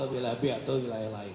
atau wilayah biak atau wilayah lain